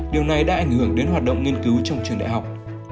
điều này đã ảnh hưởng đến hoạt động nghiên cứu trong trường đại học